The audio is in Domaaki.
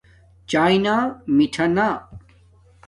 چایݵے نا میٹھا نا